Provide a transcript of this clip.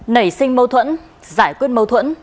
nảy sinh mâu thuẫn giải quyết mâu thuẫn